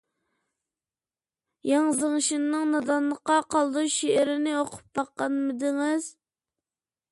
ياڭ زېڭشىننىڭ «نادانلىقتا قالدۇرۇش» شېئىرىنى ئوقۇپ باققانمىدىڭىز؟